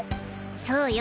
そうよ。